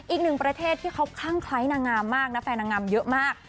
อีกหนึ่งประเทศที่เขาคลั่งคล้ายนางงามมากนะแฟนนางงามเยอะมาก